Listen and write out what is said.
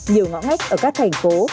nhiều ngõ ngách ở các thành phố